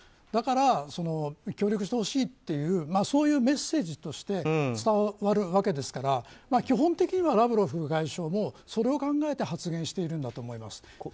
だから協力してほしいというそういうメッセージとして伝わるわけですから基本的にはラブロフ外相もそれを考えて発言しているんだと思います。